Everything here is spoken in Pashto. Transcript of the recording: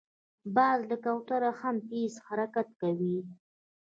باز له کوترې هم تېز حرکت کوي